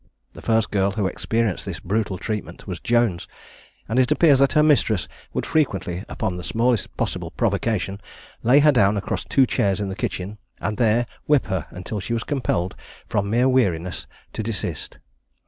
The first girl who experienced this brutal treatment was Jones; and it appears that her mistress would frequently, upon the smallest possible provocation, lay her down across two chairs in the kitchen, and there whip her until she was compelled, from mere weariness, to desist.